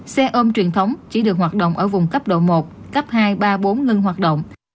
xe ôm truyền thống chỉ được hoạt động ở vùng cấp độ một cấp hai ba bốn ngưng hoạt động